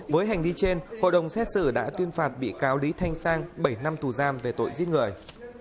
với hành vi trên hội đồng xét xử đã tuyên phạt bị cáo lý thanh sang bảy năm tù giam về tội giết người